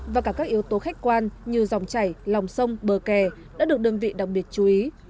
và cả các yếu tố khách quan như dòng chảy lòng sông bờ kè đã được đơn vị đặc biệt chú ý